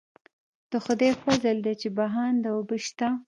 د خدای فضل دی چې بهانده اوبه شته.